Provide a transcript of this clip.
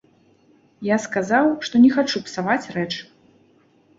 Я сказаў, што не хачу псаваць рэч.